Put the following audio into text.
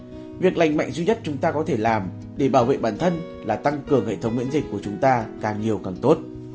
vì vậy việc lành mạnh duy nhất chúng ta có thể làm để bảo vệ bản thân là tăng cường hệ thống miễn dịch của chúng ta càng nhiều càng tốt